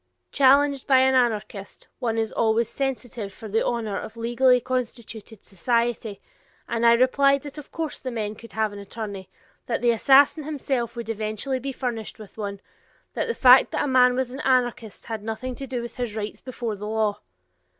Challenged by an anarchist, one is always sensitive for the honor of legally constituted society, and I replied that of course the men could have an attorney, that the assassin himself would eventually be furnished with one, that the fact that a man was an anarchist had nothing to do with his rights before the law!